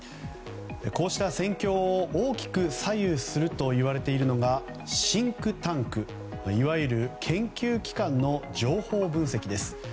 こうした戦況を大きく左右するといわれるのがシンクタンク、いわゆる研究機関の情報分析です。